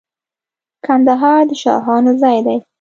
کندهار د شاهانو ځای دی.